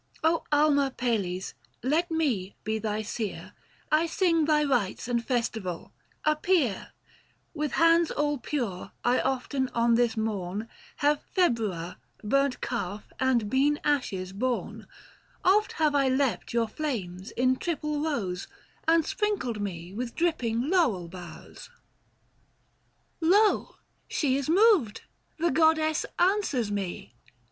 " Oh alma Pales, let me be thy seer, I sing thy rites and festival ; appear ! With hands all pure, I often on this morn Have Februa, burnt calf, and bean ashes borne ; 835 Oft have I leapt your flames in triple rows, And sprinkled me with dripping laurel boughs. Book IV. THE FASTI. 131 Lo ! she is moved, the Goddess answers me